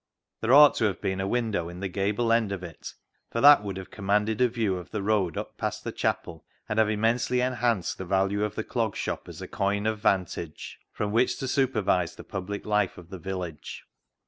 There ought to have been a window in the gable end of it, for that would have commanded a view of the road up past the chapel, and have immensely enhanced the value of the Clog Shop as a coign of vantage from which to supervise the public life of the village.